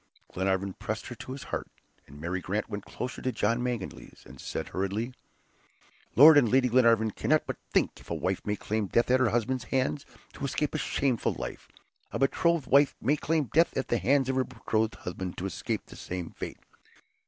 Glenarvan pressed her to his heart, and Mary Grant went closer to John Mangles, and said hurriedly: "Lord and Lady Glenarvan cannot but think if a wife may claim death at her husband's hands, to escape a shameful life, a betrothed wife may claim death at the hands of her betrothed husband, to escape the same fate.